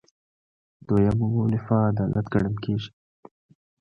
دویمه مولفه عدالت ګڼل کیږي.